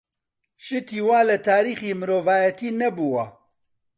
شتی وا لە تاریخی مرۆڤایەتی نەبووە.